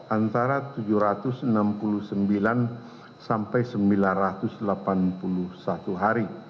antara tujuh ratus enam puluh sembilan sampai sembilan ratus delapan puluh satu hari